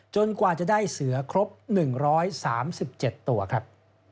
กว่าจะได้เสือครบ๑๓๗ตัวครับ